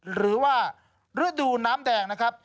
หรือว่าฤดูน้ำแดงนะครับ